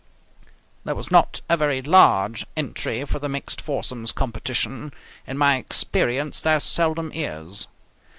There was not a very large entry for the mixed foursomes competition. In my experience there seldom is.